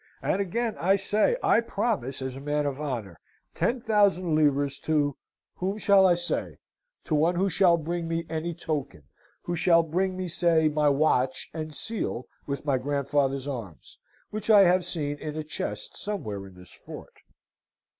And again I say, I promise, as a man of honour, ten thousand livres to whom shall I say? to one who shall bring me any token who shall bring me, say, my watch and seal with my grandfather's arms which I have seen in a chest somewhere in this fort.'